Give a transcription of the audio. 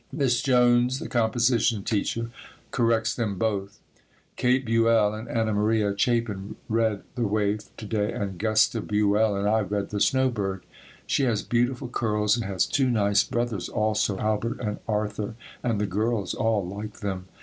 Miss Jones, the composition teacher, corrects them both. Kate Buell and Anna Maria Chapin read The Waif to day and Gusta Buell and I read The Snow Bird. She has beautiful curls and has two nice brothers also, Albert and Arthur, and the girls all like them.